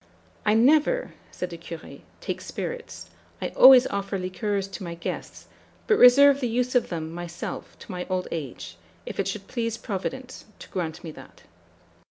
"'I never,' said the Curé, 'take spirits; I always offer liqueurs to my guests but reserve the use of them, myself, to my old age, if it should please Providence to grant me that.'